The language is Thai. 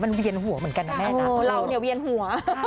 แล้วยิ่งเป็นดราร่าด้วยไง